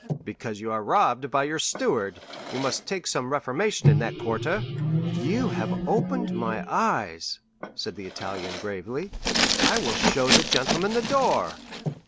"Because you are robbed by your steward. You must make some reformation in that quarter." "You have opened my eyes," said the Italian gravely; "I will show the gentlemen the door."